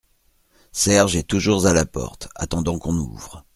Serge est toujours à la porte, attendant qu’on ouvre.